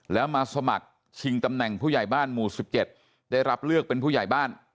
แล้วมาสมัครชิงตำแหน่งผู้ใหญ่บ้านหมู่๑๗ได้รับเลือกเป็นผู้ใหญ่บ้าน